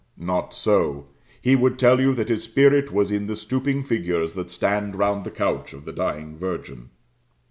Not so; he would tell you that his spirit was in the stooping figures that stand round the couch of the dying Virgin.